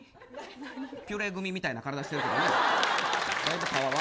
ピュレグミみたいな体してるね。